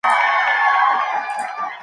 Se suele consumir en el almuerzo.